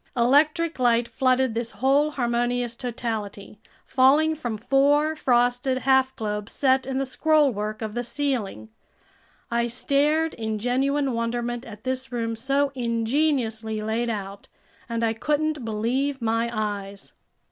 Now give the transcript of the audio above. Electric light flooded this whole harmonious totality, falling from four frosted half globes set in the scrollwork of the ceiling. I stared in genuine wonderment at this room so ingeniously laid out, and I couldn't believe my eyes.